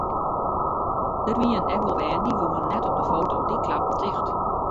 Der wienen ek wol bern dy woenen net op de foto, dy klapten ticht.